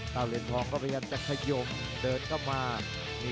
เก้าเหรียญธอมก็พยายาม